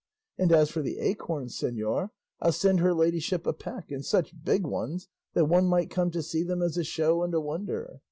And as for the acorns, señor, I'll send her ladyship a peck and such big ones that one might come to see them as a show and a wonder.